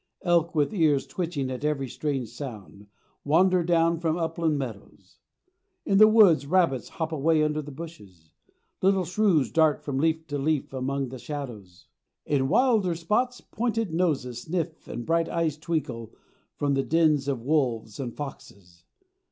Elk, with ears twitching at every strange sound, wander down from upland meadows. In the woods rabbits hop away under the bushes. Little shrews dart from leaf to leaf among the shadows. In wilder spots pointed noses sniff and bright eyes twinkle from the dens of wolves and foxes.